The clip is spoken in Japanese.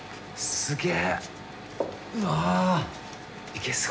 すっげえ。